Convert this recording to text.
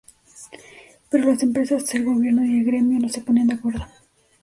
Pero las empresas, el gobierno y el gremio no se ponían de acuerdo.